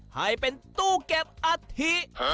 ให้เป็นตู้เก็บอัฐิ